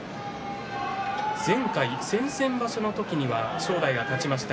前回、先々場所の時には正代が勝ちました。